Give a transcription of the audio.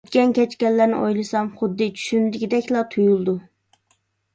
ئۆتكەن - كەچكەنلەرنى ئويلىسام، خۇددى چۈشۈمدىكىدەكلا تۇيۇلىدۇ.